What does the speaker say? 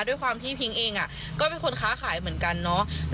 ด้วยความที่พิ้งเองก็เป็นคนค้าขายเหมือนกันเนาะ